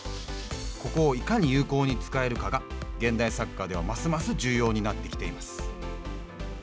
ここをいかに有効に使えるかが現代サッカーではますます重要になってきています。